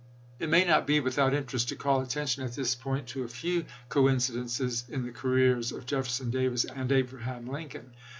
It may not be without interest to call attention at this point to a few coincidences in the careers of Jefferson Davis and Abraham Lincoln.